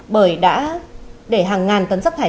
bởi đã để hàng ngàn tấn sắc thải